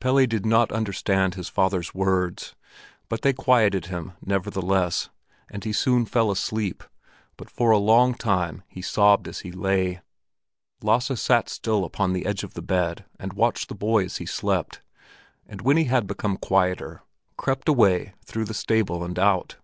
Pelle did not understand his father's words, but they quieted him nevertheless, and he soon fell asleep; but for a long time he sobbed as he lay. Lasse sat still upon the edge of the bed and watched the boy as he slept, and when he had become quieter, crept away through the stable and out.